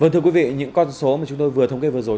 thưa quý vị những con số mà chúng tôi vừa thống kê vừa rồi